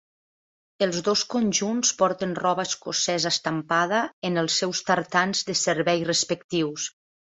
Els dos conjunts porten roba escocesa estampada en els seus tartans de servei respectius.